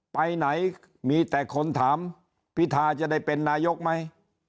ไปไหนมีแต่คนถามพิธาจะได้เป็นนายกไหม